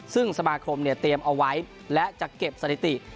ซึ่งสมาคมเตรียมเอาไว้และจะเก็บสถิติ